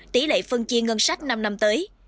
tỷ lệ phân chia ngân sách năm năm tới